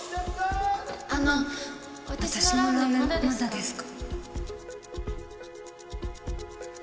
あの私のラーメンまだですか？